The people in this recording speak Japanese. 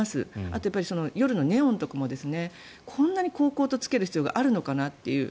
あとは夜のネオンとかもこんなにこうこうとつける必要があるのかなという。